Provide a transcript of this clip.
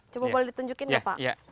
coba boleh ditunjukin nggak pak